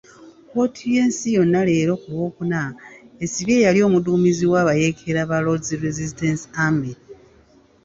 Kkooti y'ensi yonna leero ku Lwokuna esibye eyali omuduumizi w'abayeekera ba Lord's Resistance Army.